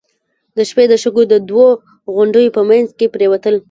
د شپې د شګو د دوو غونډيو په مينځ کې پرېوتل.